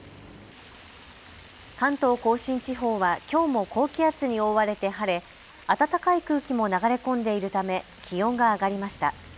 関東甲信地方はきょうも高気圧に覆われて晴れ、暖かい空気も流れ込んでいるため気温が上がりました。